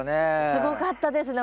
すごかったですね。